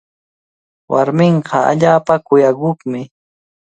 Warminqa allaapa kuyakuqmi.